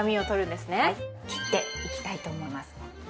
切っていきたいと思います。